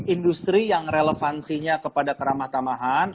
industri yang relevansinya kepada keramah tamahan